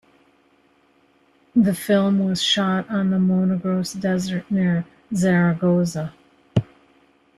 The film was shot on the Monegros desert near Zaragoza.